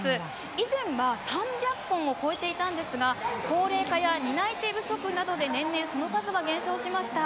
以前は３００本を超えていたんですが、高齢化や担い手不足などで年々その数は減少しました。